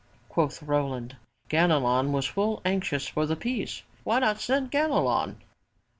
Quoth Roland: *'Ganelon was full anxious for the peace! Why not send Ganelon?''